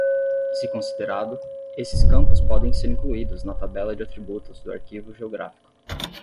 Se considerado, esses campos podem ser incluídos na tabela de atributos do arquivo geográfico.